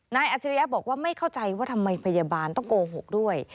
อาจริยะบอกว่าไม่เข้าใจว่าทำไมพยาบาลต้องโกหกด้วย